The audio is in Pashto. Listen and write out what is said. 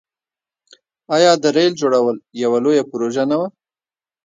آیا د ریل جوړول یوه لویه پروژه نه وه؟